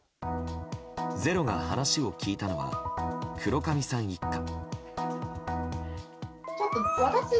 「ｚｅｒｏ」が話を聞いたのは黒神さん一家。